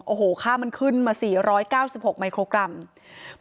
โอ้โหค่ามันขึ้นมา๔๙๖มิโครกรัม